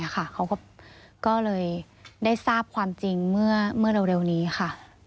เขาก็เลยได้ทราบความจริงเมื่อเร็วนี้ค่ะ